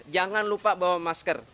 jangan lupa bawa masker